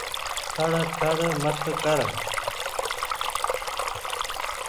ٺڙ ٺڙ مت ڪر ۔